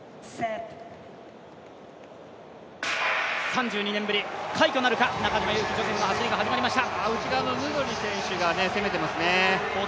３２年ぶり、快挙なるか、中島佑気ジョセフの走りが始まりました。